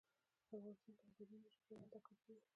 افغانستان کې د بادي انرژي په اړه زده کړه کېږي.